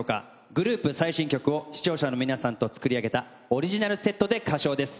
グループ最新曲を視聴者の皆さんと作り上げたオリジナルセットで歌唱です。